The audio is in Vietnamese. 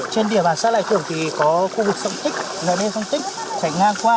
trên địa bàn xác lại thường thì có khu vực sông tích dài đê sông tích chảy ngang qua